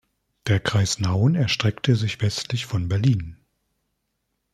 Der Kreis Nauen erstreckte sich westlich von Berlin.